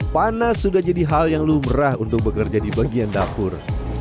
panas sudah jadi hal yang lumrah untuk bekerja di bagian dapur